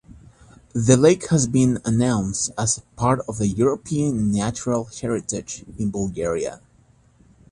The Lake has been announced as part of the European Natural Heritage in Bulgaria.